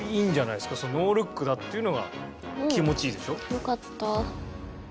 よかった。